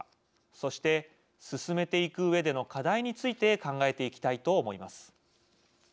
そして進めていくうえでの課題について考えていきたいと思います。